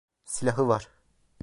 Silahı var.